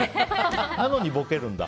なのにボケるんだ